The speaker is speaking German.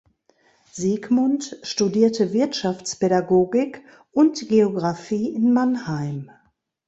Siegmund studierte Wirtschaftspädagogik und Geographie in Mannheim.